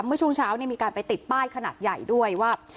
เมื่อช่วงเช้ามีการไปติดป้ายขนาดใหญ่ด้วยว่า